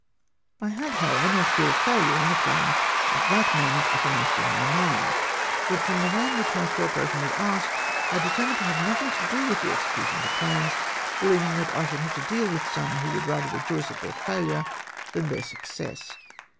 I had, however, no fear of failure in the plans at that moment uppermost in my mind, but from the way in which my co operation was asked, I determined to have nothing to do with the execution of the plans, behev ing that I should have to deal with some who would rather rejoice at their failure than their success.